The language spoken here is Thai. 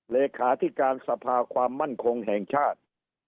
เลขาธิการสภาความมั่นคงแห่งชาติ